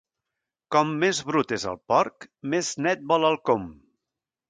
Com més brut és el porc, més net vol el com.